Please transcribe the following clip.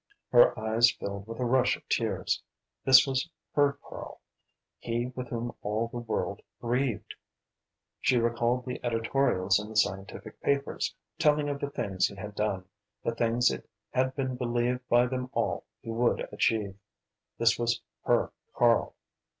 Her eyes filled with a rush of tears. This was her Karl he with whom all the world grieved! She recalled the editorials in the scientific papers, telling of the things he had done, the things it had been believed by them all he would achieve. This was her Karl!